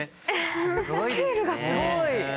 スケールがすごい。